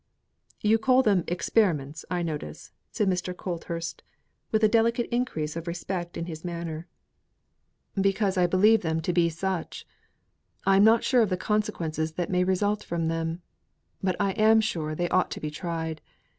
"You call them 'experiments' I notice," said Mr. Colthurst, with a delicate increase of respect in his manner. "Because I believe them to be such. I am not sure of the consequences that may result from them. But I am sure they ought to be tried.